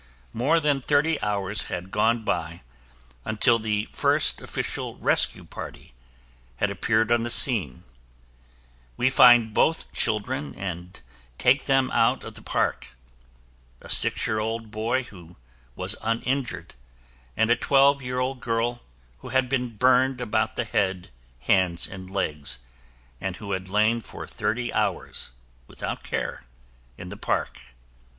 More than thirty hours had gone by until the first official rescue party had appeared on the scene. We find both children and take them out of the park: a six year old boy who was uninjured, and a twelve year old girl who had been burned about the head, hands and legs, and who had lain for thirty hours without care in the park.